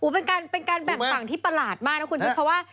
เป็นการแบ่งฝั่งที่ประหลาดมากนะคุณชุดเพราะว่า